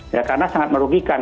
ya karena sangat merugikan